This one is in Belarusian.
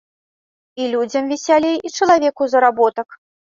І людзям весялей і чалавеку заработак.